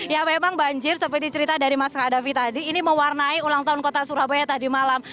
ya memang banjir seperti cerita dari mas kaadafi tadi ini mewarnai ulang tahun kota surabaya tadi malam